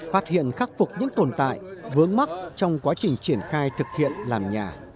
phát hiện khắc phục những tồn tại vướng mắc trong quá trình triển khai thực hiện làm nhà